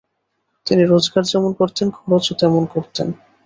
তিনি রোজগার যেমন করতেন খরচও তেমন করতেন।